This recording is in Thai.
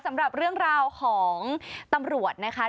สำหรับเรื่องราวของตำรวจนะคะ